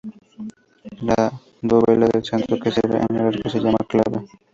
La dovela del centro, que cierra el arco, se llama clave.